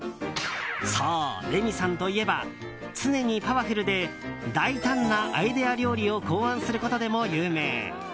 そう、レミさんといえば常にパワフルで大胆なアイデア料理を考案することでも有名。